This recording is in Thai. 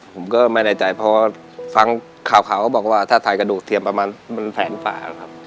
ผมก็ไม่แน่ใจเพราะว่าฟังข่าวเขาบอกว่าถ้าถ่ายกระดูกเทียมประมาณมันแผงฝ่านะครับ